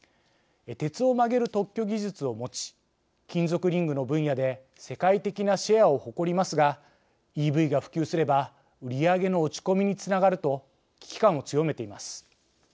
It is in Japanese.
鉄を曲げる特許技術を持ち金属リングの分野で世界的なシェアを誇りますがＥＶが普及すれば売り上げの落ち込みにつながると危機感を強めています。